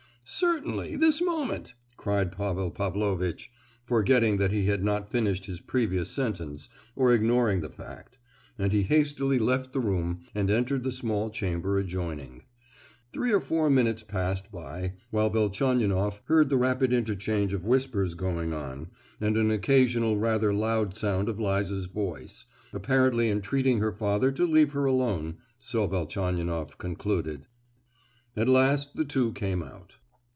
"Certainly—this moment!" cried Pavel Pavlovitch, forgetting that he had not finished his previous sentence, or ignoring the fact; and he hastily left the room, and entered the small chamber adjoining. Three or four minutes passed by, while Velchaninoff heard the rapid interchange of whispers going on, and an occasional rather louder sound of Liza's voice, apparently entreating her father to leave her alone—so Velchaninoff concluded. At last the two came out.